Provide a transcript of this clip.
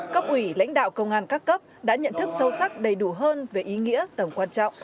cấp ủy lãnh đạo công an các cấp đã nhận thức sâu sắc đầy đủ hơn về ý nghĩa tầm quan trọng